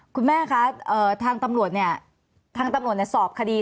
คุณแม่คะทางตำรวจเนี่ยทางตำรวจสอบคดี